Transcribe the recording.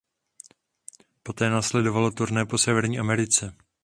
Poté následovalo turné po Severní Americe.